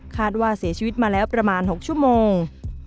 คาดว่าเสียชีวิตมาแล้วประมาณ๖ชั่วโมง